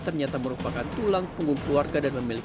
ternyata merupakan tulang punggung keluarga dan memilih